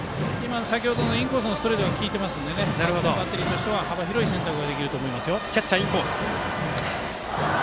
先ほどのインコースのストレートが効いてますからバッテリーとしては幅広い選択ができると思います。